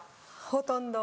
ほとんど。